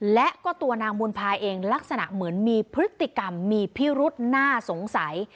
และก็ตัวนางบุญพาเองลักษณะเหมือนมีพฤติกรรมมีพิรุษน่าสงสัย